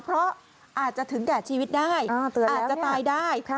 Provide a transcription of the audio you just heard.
เพราะอาจจะถึงแก่ชีวิตได้อาจจะตายได้